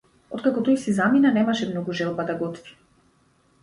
Откако тој си замина, немаше многу желба да готви.